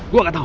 gue gak tau